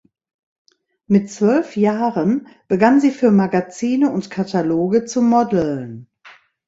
Mit zwölf Jahren begann sie für Magazine und Kataloge zu modeln.